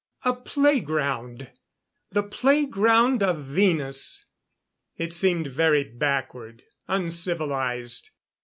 A playground the playground of Venus. It seemed very backward uncivilized.